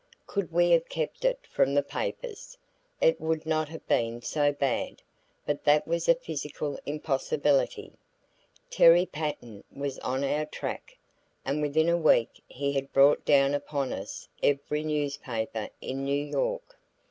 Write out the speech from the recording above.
Could we have kept it from the papers, it would not have been so bad, but that was a physical impossibility; Terry Patten was on our track, and within a week he had brought down upon us every newspaper in New York.